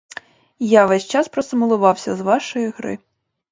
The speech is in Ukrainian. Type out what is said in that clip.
Я ввесь час просто милувалася з вашої гри.